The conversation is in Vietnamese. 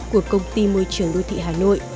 của công ty môi trường đô thị hà nội